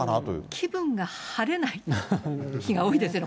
気分が晴れない日が多いですよね。